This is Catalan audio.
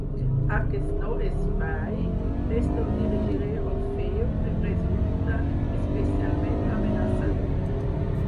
Aquest nou espai des d'on dirigiré Orfeu em resulta especialment amenaçador.